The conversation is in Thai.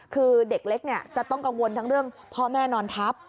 คือเด็กเล็กจะต้องกังวลทั้งเรื่องพ่อแม่นอนทับ